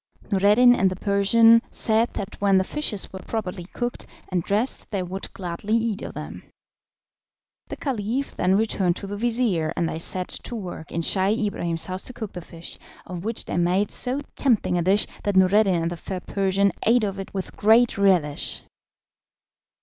Noureddin and the Persian said that when the fishes were properly cooked and dressed they would gladly eat of them. The Caliph then returned to the vizir, and they set to work in Scheih Ibrahim's house to cook the fish, of which they made so tempting a dish that Noureddin and the fair Persian ate of it with great relish.